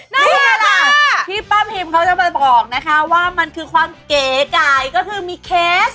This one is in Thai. นี่แหละที่ป้าพิมเขาจะมาบอกนะคะว่ามันคือความเก๋ไก่ก็คือมีเคส